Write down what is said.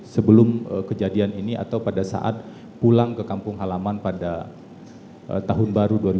sebelum kejadian ini atau pada saat pulang ke kampung halaman pada tahun baru dua ribu dua puluh